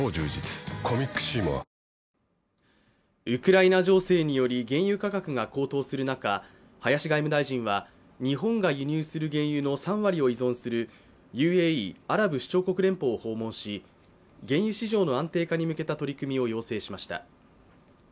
ウクライナ情勢により原油価格が高騰する中、林外務大臣は日本が輸入する原油の３割を依存するＵＡＥ＝アラブ首長国連邦を訪問し原油市場の安定化に向けた取り組みを要請しました。